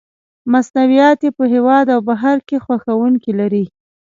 مصنوعات یې په هېواد او بهر کې خوښوونکي لري.